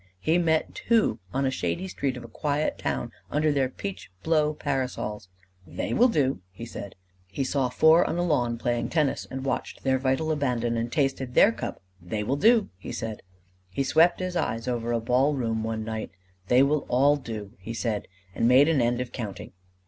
He met two on a shady street of a quiet town under their peach blow parasols: "They will do!" he said. He saw four on a lawn playing tennis, and watched their vital abandon and tasted their cup: "They will do!" he said. He swept his eyes over a ball room one night: "They will all do!" he said, and made an end of counting.